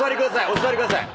お座りください。